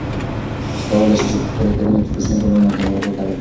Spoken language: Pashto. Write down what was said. تاسو کولای شئ چې په خپلو کورونو کې کوچني ګلان او نباتات وکرئ.